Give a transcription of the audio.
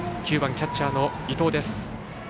９番、キャッチャーの伊藤です。